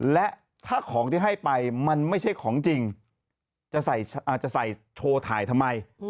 และถ้าของที่ให้ไปมันไม่ใช่ของจริงจะใส่โชว์ถ่ายทำไม